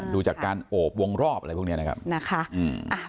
ดูจากการโอบวงรอบอะไรพวกนี้นะครับ